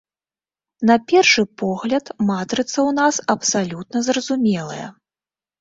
На першы погляд, матрыца ў нас абсалютна зразумелая.